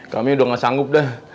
kami udah gak sanggup dah